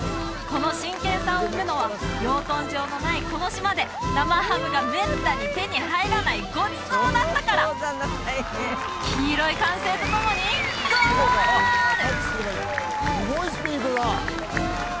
この真剣さを生むのは養豚場のないこの島で生ハムがめったに手に入らないごちそうだったから黄色い歓声とともにゴール！